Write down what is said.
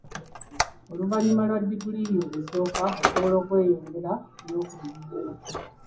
Oluvannyuma lwa diguli yo esooka, osobola okwongerako ey'okubiri.